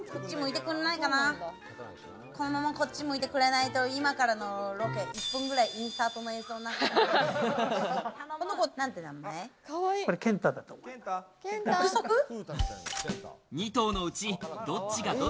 このまま、こっち向いてくれないと今からのロケ１分ぐらいインサートの映像になっちゃう。